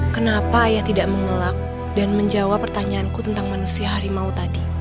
kenapa ayah tidak mengelak dan menjawab pertanyaanku tentang manusia harimau tadi